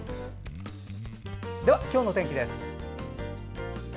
では、今日のお天気です。